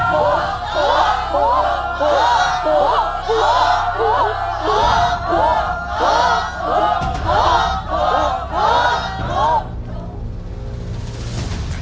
ถูกถูกถูก